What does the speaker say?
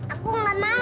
aku gak mau